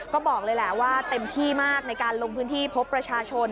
ก็บอกเลยแหละว่าเต็มที่มากในการลงพื้นที่พบประชาชน